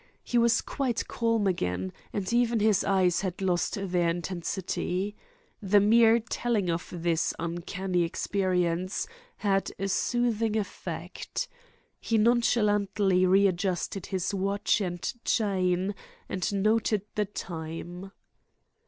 He was quite calm again, and even his eyes had lost their intensity. The mere telling of his uncanny experience had a soothing effect. He nonchalantly readjusted his watch and chain, and noted the time.